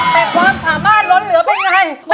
แต่ความสามารถร้นเหลือบ้างกันไง